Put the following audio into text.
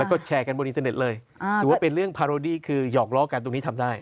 แล้วก็แชร์กันบนอินเทอร์เน็ตเลยถือว่าเป็นเรื่องพาโรดี้คือหยอกล้อกันตรงนี้ทำได้